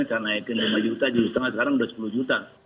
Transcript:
kita naikin lima juta tujuh lima juta sekarang sudah sepuluh juta